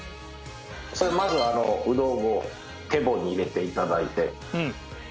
それまずうどんをてぼに入れて頂いて。